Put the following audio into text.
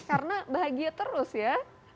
karena bahagia terus ya